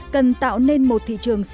cần tạo nên một thị trường sâu